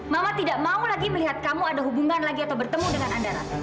mama tidak mau lagi melihat kamu ada hubungan lagi atau bertemu dengan anda ratu